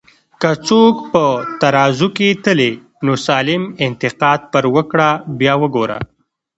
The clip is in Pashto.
که څوک په ترازو کی تلې، نو سالم انتقاد پر وکړه بیا وګوره